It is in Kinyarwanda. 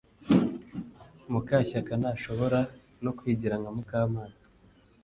Mukashyakantashobora no kwigira nka Mukamana